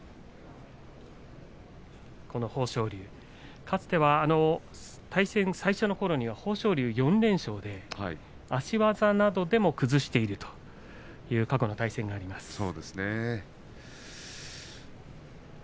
この豊昇龍、かつては対戦最初のころには豊昇龍４連勝で足技などでも崩しているというそうですね。